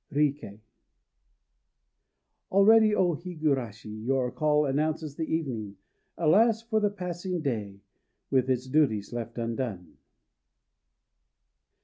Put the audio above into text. RIKEI. Already, O Higurashi, your call announces the evening! Alas, for the passing day, with its duties left undone!